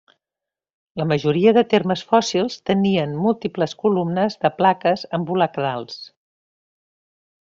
La majoria de formes fòssils tenien múltiples columnes de plaques ambulacrals.